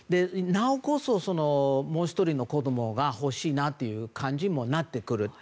なおさら、もう１人の子供をほしいなという感じにもなってくる。